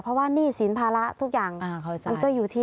เพราะว่านี่สินภาระทุกอย่างอ่าเข้าใจ